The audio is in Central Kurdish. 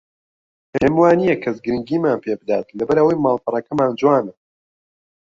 پێم وانییە کەس گرنگیمان پێ بدات لەبەر ئەوەی ماڵپەڕەکەمان جوانە